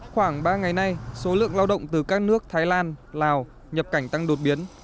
khoảng ba ngày nay số lượng lao động từ các nước thái lan lào nhập cảnh tăng đột biến